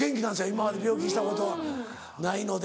今まで病気したことないので。